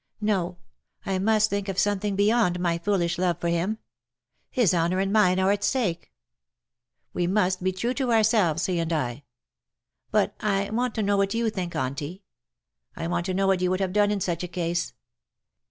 No, I must think of something beyond my foolish love for him. His honour and mine are at stake. We must be true to ourselves, he and I. But I LE SECRET DE POLICHINELLE. 1?01 want to know what you thinks Auntie. I want to know what you would have done in such a case.